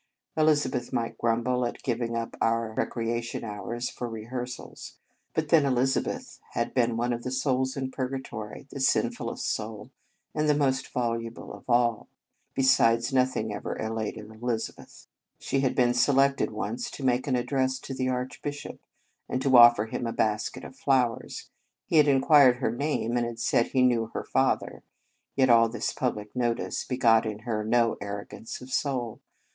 Elizabeth might grumble at giving up our recreation hours to rehearsals; but then Elizabeth had been one of the souls in Purgatory, the sinfullest soul, and the most voluble of all. Besides, nothing ever elated Elizabeth. She had been selected once to make an address to the Arch bishop, and to offer him a basket of flowers; he had inquired her name, and had said he knew her father; yet all this public notice begot in her no arrogance of soul.